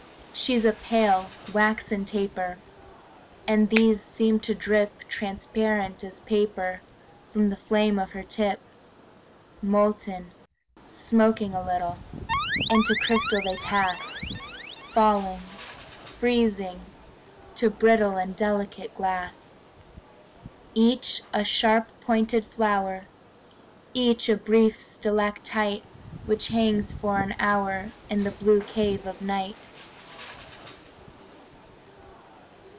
She's a pale, waxen taper; And these seem to drip Transparent as paper From the flame of her tip. Molten, smoking a little, Into crystal they pass; Falling, freezing, to brittle And delicate glass. Each a sharp pointed flower, Each a brief stalactite Which hangs for an hour In the blue cave of night.